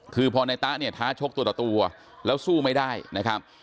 คือพอในตะเนี่ยท้าชกตัวต่อตัวแล้วสู้ไม่ได้นะครับ